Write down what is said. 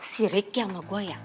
si riki sama gue yang